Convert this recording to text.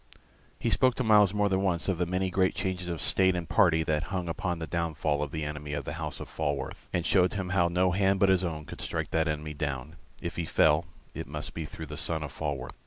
He spoke to Myles more than once of the many great changes of state and party that hung upon the downfall of the enemy of the house of Falworth, and showed him how no hand but his own could strike that enemy down; if he fell, it must be through the son of Falworth.